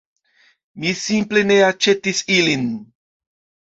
Mi simple ne aĉetis ilin